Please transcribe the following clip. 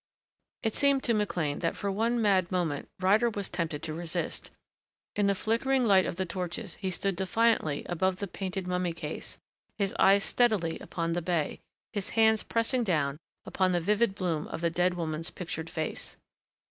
It seemed to McLean that for one mad moment Ryder was tempted to resist. In the flickering light of the torches he stood defiantly above the painted mummy case, his eyes steadily upon the bey, his hands pressing down upon the vivid bloom of the dead woman's pictured face.